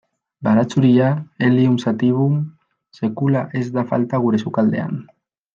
Baratxuria, Allium sativum, sekula ez da falta gure sukaldean.